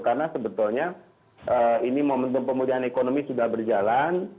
karena sebetulnya ini momentum pemudahan ekonomi sudah berjalan